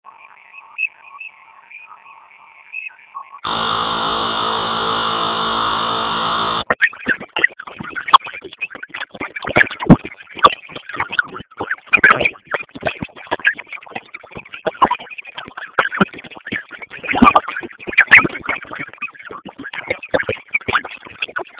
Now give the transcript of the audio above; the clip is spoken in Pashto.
احمدزي يو زيات نفوسه قوم دی